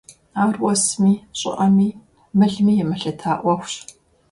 Ар уэсми, щӀыӀэми, мылми емылъыта Ӏуэхущ.